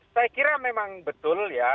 saya kira memang betul ya